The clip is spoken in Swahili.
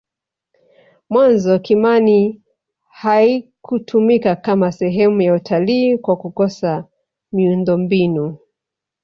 mwanzo kimani haikutumika Kama sehemu ya utalii kwa kukosa miundombinu